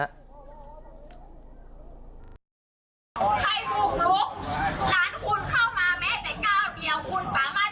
ใครบุกลุกร้านคุณเข้ามาแม้แต่๙เดียว